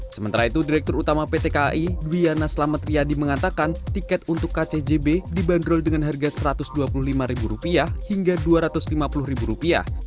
sementara itu direktur utama pt kai dwiana selamat riyadi mengatakan tiket untuk kcjb dibanderol dengan harga rp satu ratus dua puluh lima hingga rp dua ratus lima puluh